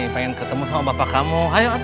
pengen ketemu sama bapak kamu